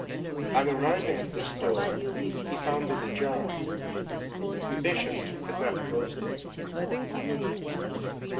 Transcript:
On arriving at this door, he found it ajar. The Bishop had not closed it.